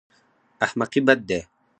احمقي بد دی.